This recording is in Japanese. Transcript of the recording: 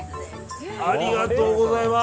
ありがとうございます。